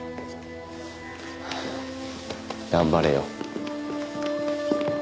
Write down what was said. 頑張れよ。